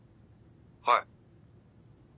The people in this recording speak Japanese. はい。